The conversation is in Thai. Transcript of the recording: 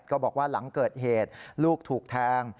บอกว่าหลังเกิดเหตุลูกถูกแทง